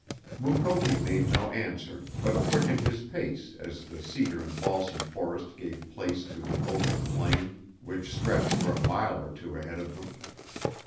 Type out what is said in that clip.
Mukoki made no answer, but quickened his pace as the cedar and balsam forest gave place to an open plain which stretched for a mile or two ahead of them.